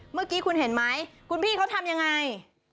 เมื่อกี้คุณเห็นไหมคุณพี่เขาทำยังไง